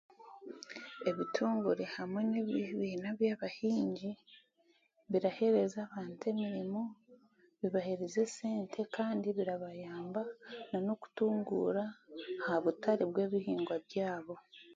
Ebitongore hamwe n'ebibiina by'abahingi birahereza abantu emirimo, bibahereza esente kandi birabayamba ahabw'okutunguura aha butare bw'ebihingwa byabo.